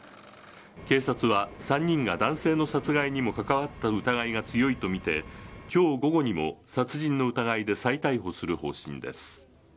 警察は３人が男性の殺害にも関わった疑いが強いと見て、きょう午後にも、殺人の疑いで再逮捕する方針です。